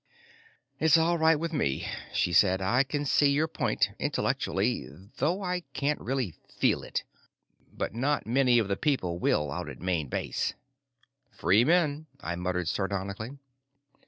"It's all right with me," she said. "I can see your point, intellectually, though I can't really feel it. But not many of the people will out at Main Base." "Free men," I muttered sardonically.